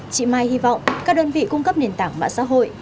chị mai hy vọng các đơn vị cung cấp nền tảng mạng xã hội